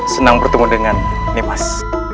senang bertemu dengan nipas